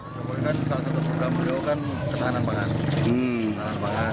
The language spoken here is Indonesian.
salah satu program jokowi dodo adalah mengembangkan ketahanan pangan